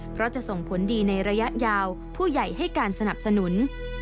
เพราะจะส่งผลดีในระยะยาวผู้ใหญ่ให้การสนับสนุน